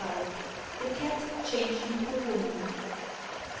FABLE XLV. THE CAT CHANGED INTO A WOMAN.